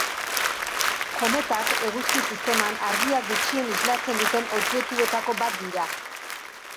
Kometak Eguzki-sisteman argia gutxien islatzen duten objektuetako bat dira.